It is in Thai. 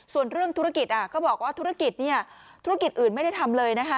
ส่วนเรื่องธุรกิจก็บอกว่าธุรกิจเนี่ยธุรกิจอื่นไม่ได้ทำเลยนะคะ